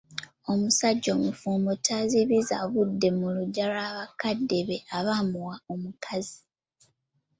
Omusajja omufumbo tazibiza budde mu luggya lwa bakadde be abaamuwa omukazi.